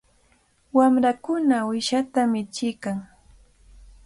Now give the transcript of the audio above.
Wamrakuna uyshata michiykan.